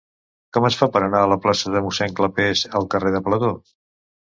Com es fa per anar de la plaça de Mossèn Clapés al carrer de Plató?